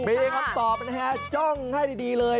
มีคำตอบนะฮะจ้องให้ดีเลย